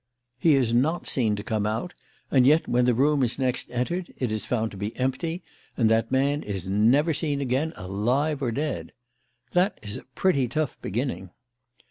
He is not seen to come out, and yet, when the room is next entered, it is found to be empty; and that man is never seen again, alive or dead. That is a pretty tough beginning.